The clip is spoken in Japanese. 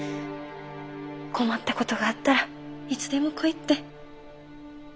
困った事があったらいつでも来い」って。